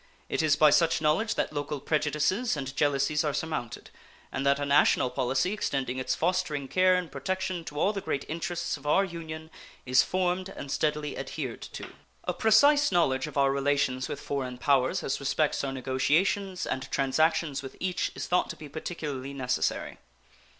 It is by such knowledge that local prejudices and jealousies are surmounted, and that a national policy extending its fostering care and protection to all the great interests of our Union, is formed and steadily adhered to. A precise knowledge of our relations with foreign powers as respects our negotiations and transactions with each is thought to be particularly necessary.